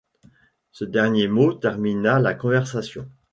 Ce dernier mot termina la conversation.